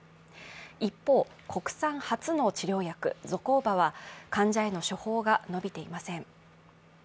一方、国産初の処方薬、ゾコーバは患者への処方が伸びていません。